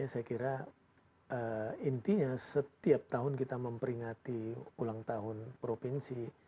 saya kira intinya setiap tahun kita memperingati ulang tahun provinsi